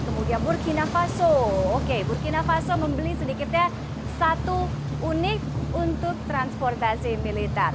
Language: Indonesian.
kemudian murkina faso oke murkina faso membeli sedikitnya satu unit untuk transportasi militer